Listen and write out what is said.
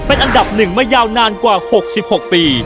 เป็นอันดับ๑มายาวนานกว่า๖๖ปี